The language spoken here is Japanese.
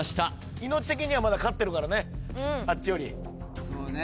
命的にはまだ勝ってるからあっちよりそうね